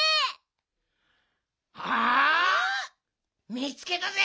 みつけたぜ！